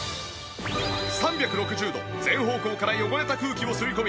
３６０度全方向から汚れた空気を吸い込み